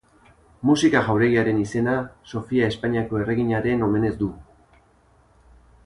Musika Jauregiaren izena Sofia Espainiako erreginaren omenez du.